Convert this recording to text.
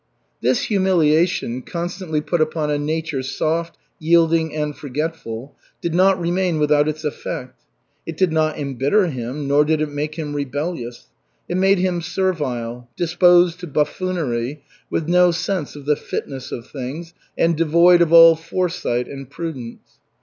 This humiliation, constantly put upon a nature soft, yielding and forgetful, did not remain without its effect. It did not embitter him, nor did it make him rebellious. It made him servile, disposed to buffoonery, with no sense of the fitness of things, and devoid of all foresight and prudence.